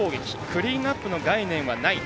クリーンナップの概念はない。